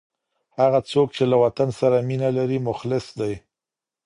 هغه څوک چي له وطن سره مینه لري، مخلص دی.